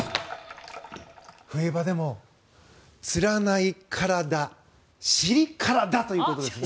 「冬場でもつらないからだ尻からだ」ということですね。